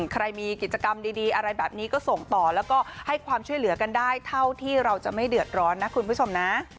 ใครมีกิจกรรมดีอะไรแบบนี้ก็ส่งต่อแล้วก็ให้ความช่วยเหลือกันได้เท่าที่เราจะไม่เดือดร้อนนะคุณผู้ชมนะ